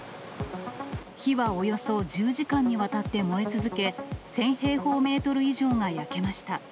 火はおよそ１０時間にわたって燃え続け、１０００平方メートル以上が焼けました。